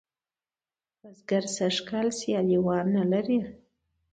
بزگر سږ کال سیاليوان نه لري.